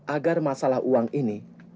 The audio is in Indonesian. agar masalah uang ini